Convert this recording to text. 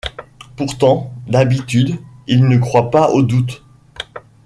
Pourtant, d’habitude, il ne croit pas au doute.